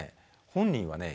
本人はね